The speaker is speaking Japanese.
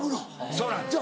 そうなんです。